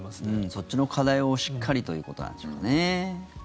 そっちの課題をしっかりということなんでしょうかね。